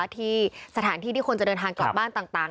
ที่สถานที่ที่คนจะเดินทางกลับบ้านต่าง